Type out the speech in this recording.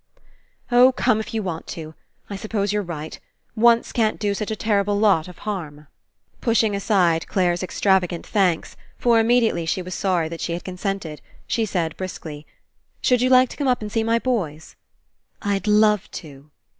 *'0h, come if you want to. I s'pose you're right. Once can't do such a terrible lot of harm." Pushing aside Clare's extravagant thanks, for immediately she was sorry that she had consented, she said briskly: "Should you like to come up and see my boys?" "I'd love to."